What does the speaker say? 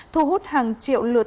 thu hút hàng triệu lượt